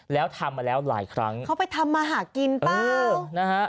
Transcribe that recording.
แล้วทำมาแล้วหลายครั้งเขาไปทำมาหากินเปล่านะฮะ